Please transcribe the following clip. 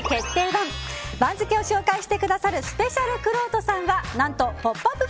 番付を紹介してくださるスペシャルくろうとさんは「ポップＵＰ！」